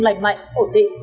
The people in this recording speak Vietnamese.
lành mạnh ổn tị